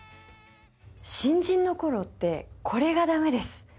新人の頃ってこれがダメです。